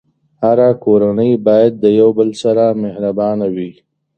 هره کورنۍ باید د یو بل سره مهربانه وي.